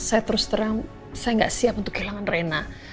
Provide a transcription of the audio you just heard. saya nggak siap untuk kehilangan rena